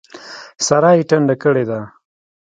سارا يې ټنډه کړې ده.